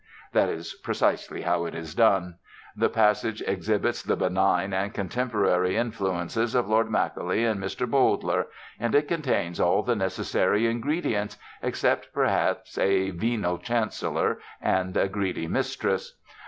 That is precisely how it is done. The passage exhibits the benign and contemporary influences of Lord Macaulay and Mr. Bowdler, and it contains all the necessary ingredients, except perhaps a "venal Chancellor" and a "greedy mistress."